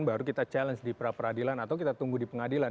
baru kita challenge di pra peradilan atau kita tunggu di pengadilan